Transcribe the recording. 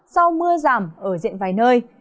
sau mưa giảm ở diện vài nơi